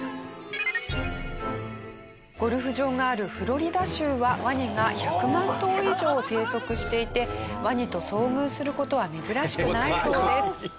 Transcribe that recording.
ゴルフ場があるフロリダ州はワニが１００万頭以上生息していてワニと遭遇する事は珍しくないそうです。